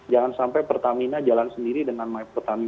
jangan sampai pertamina jalan sendiri dengan mypertamina